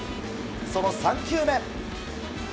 その３球目。